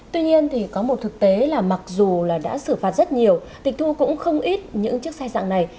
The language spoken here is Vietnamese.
tuy nhiên thì có một thực tế là mặc dù là đã xử phạt rất nhiều tịch thu cũng không ít những chiếc xe dạng này